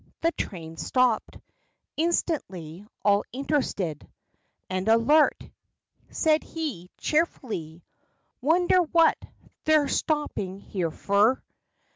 The train stopped. Instantly, all interested, And alert, said he, cheerfully : "Wonder what they're stoppin' here fer?